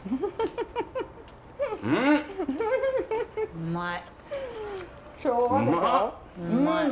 うまい！